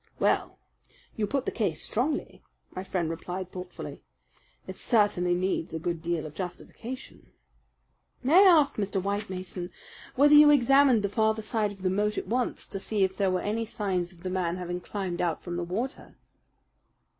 "Well, you put the case strongly," my friend replied thoughtfully. "It certainly needs a good deal of justification. May I ask, Mr. White Mason, whether you examined the farther side of the moat at once to see if there were any signs of the man having climbed out from the water?"